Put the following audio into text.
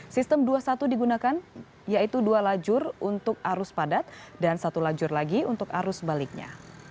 sistem dua puluh satu digunakan yaitu dua lajur untuk arus padat dan satu lajur lagi untuk arus baliknya